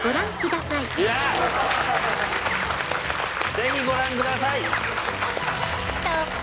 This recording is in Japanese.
ぜひご覧ください！